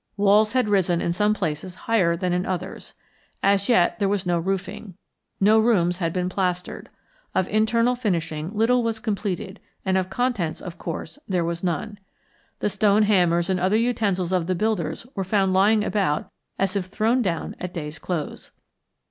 Walls had risen in some places higher than in others. As yet there was no roofing. No rooms had been plastered. Of internal finishing little was completed, and of contents, of course, there was none. The stone hammers and other utensils of the builders were found lying about as if thrown down at day's close.